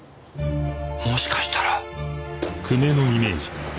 もしかしたら